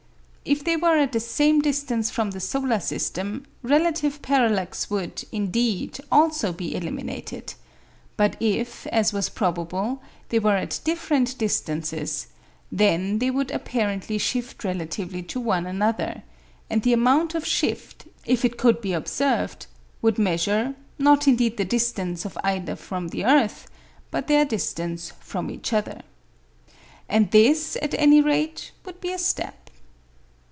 If they were at the same distance from the solar system, relative parallax would, indeed, also be eliminated; but if, as was probable, they were at different distances, then they would apparently shift relatively to one another, and the amount of shift, if it could be observed, would measure, not indeed the distance of either from the earth, but their distance from each other. And this at any rate would be a step.